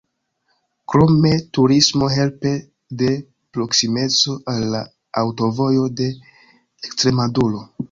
Krome turismo helpe de proksimeco al la Aŭtovojo de Ekstremaduro.